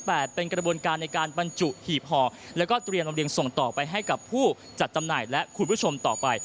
แต่เป็นกระบวนการในการบรรจุหีบห่อแล้วก็เตรียมลำเรียงส่งต่อไปให้กับผู้จัดจำหน่ายและคุณผู้ชมต่อไป